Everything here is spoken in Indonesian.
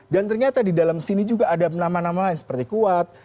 dan ternyata di dalam sini juga ada nama nama lain seperti kuat